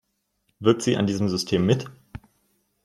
Wirkt sie an diesem System mit?